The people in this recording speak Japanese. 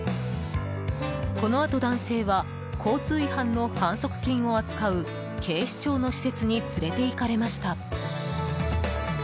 このあと男性は交通違反の反則金を扱う警視庁の施設に連れていかれました。